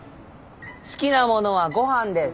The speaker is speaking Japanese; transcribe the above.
好きなものはごはんです。